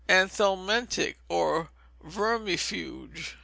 Anthelmintic, or Vermifuge.